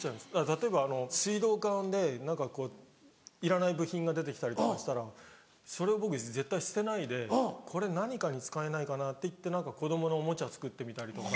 例えば水道管で何かいらない部品が出て来たりとかしたらそれを僕絶対捨てないでこれ何かに使えないかなっていって子供のおもちゃを作ってみたりとか。